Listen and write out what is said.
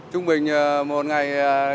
trung bình một ngày